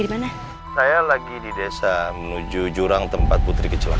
di mana saya lagi di desa menuju jurang tempat putri kecelakaan